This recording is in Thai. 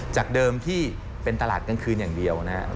จากเดิมที่เป็นตลาดกลางคืนอย่างเดียวนะครับ